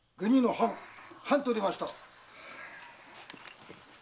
半と出ました。